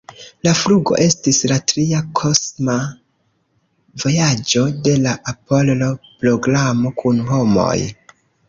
La flugo estis la tria kosma vojaĝo de la Apollo-programo kun homoj.